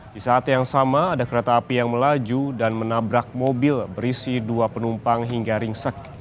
di saat yang sama ada kereta api yang melaju dan menabrak mobil berisi dua penumpang hingga ringsek